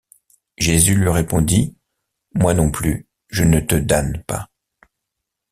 Jésus lui répondit: « Moi non plus, je ne te damne pas.